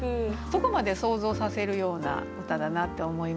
そこまで想像させるような歌だなって思いました。